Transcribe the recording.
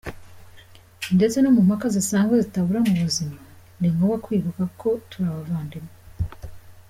Ndetse no mu mpaka zisanzwe zitabura mu buzima, ni ngombwa kwibuka ko turi abavandimwe.